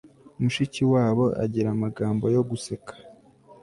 mushikiwabo agira amagambo yo guseka